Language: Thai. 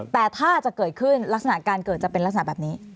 แต่ถ้าจะเกิดขึ้นลักษณะการเกิดจะเป็นลักษณะแบบนี้